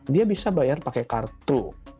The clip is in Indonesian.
dia bisa bayar pakai kartu